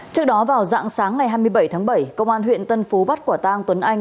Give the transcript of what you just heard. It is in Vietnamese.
trước đó vào dạng sáng ngày hai mươi bảy tháng bảy công an huyện tân phú bắt quả tang tuấn anh